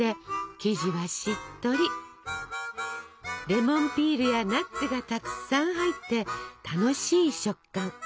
レモンピールやナッツがたくさん入って楽しい食感。